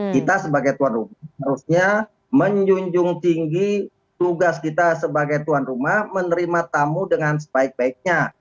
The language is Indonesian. kita sebagai tuan rumah harusnya menjunjung tinggi tugas kita sebagai tuan rumah menerima tamu dengan sebaik baiknya